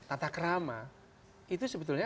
atakrama itu sebetulnya